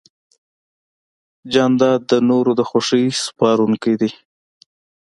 جانداد د نورو د خوښۍ سپارونکی دی.